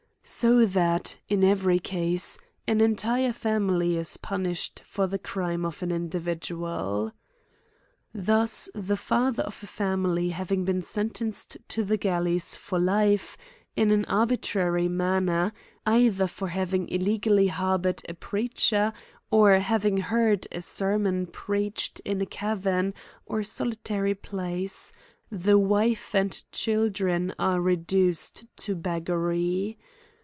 So that, in every case, an entire family is punished for the crime of an in dividual. Thus the father of a family having been sen tenced to the galleys for life, in an arbitrary man ner, either for having illegally harbored a preach er*, or having heard a sermon preached in a ca vern or solitary place, the wife and children are reduced to beggary.